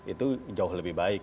itu jauh lebih baik